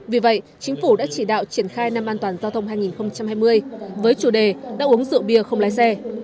vì vậy chính phủ đã chỉ đạo triển khai năm an toàn giao thông hai nghìn hai mươi với chủ đề đã uống rượu bia không lái xe